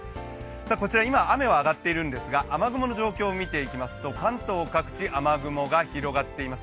こちら今、雨は上がっているんですが、雨雲の状況を見ていきますと関東各地、雨雲が広がっています。